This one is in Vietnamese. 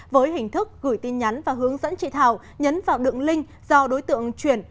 với hình thức gửi tin nhắn và hướng dẫn chị thảo nhấn vào đường link do đối tượng chuyển